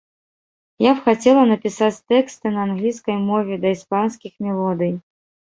Я б хацела напісаць тэксты на англійскай мове да іспанскіх мелодый.